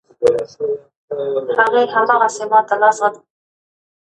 دا د ټولنیزې همغږۍ د راتلونکي نسل تضمینوي.